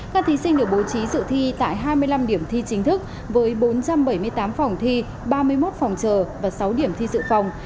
các thí sinh được bố trí dự thi tại hai mươi năm điểm thi chính thức với bốn trăm bảy mươi tám phòng thi ba mươi một phòng chờ và sáu điểm thi dự phòng